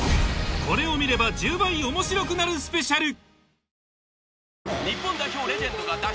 これを見れば１０倍面白くなるスペシャル！